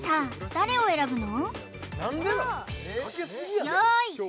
誰を選ぶの？